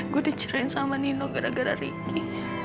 gue diceritain sama nino gara gara riki